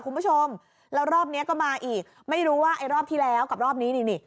คุณผู้ชมแล้วรอบเนี้ยก็มาอีกไม่รู้ว่าไอ้รอบที่แล้วกับรอบนี้นี่นี่